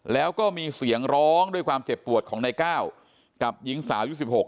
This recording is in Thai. แล้วก็มีเสียงร้องด้วยความเจ็บปวดของนายก้าวกับหญิงสาวยุค๑๖